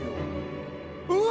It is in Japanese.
うわ！